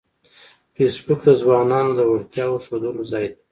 فېسبوک د ځوانانو د وړتیاوو ښودلو ځای دی